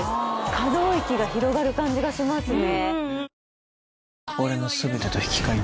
可動域が広がる感じがしますね